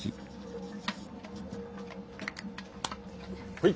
はい。